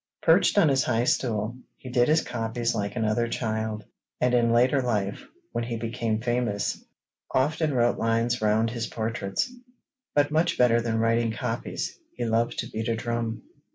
Perched on his high stool, he did his copies like another child, and in later life, when he became famous, often wrote lines round his portraits. But much better than writing copies, he loved to beat a drum.